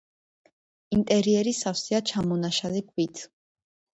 ინტერიერი სავსეა ჩამონაშალი ქვით.